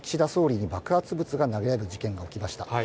岸田総理に爆発物が投げられる事件が起きました。